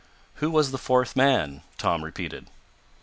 "Who was the fourth man?" Tom repeated.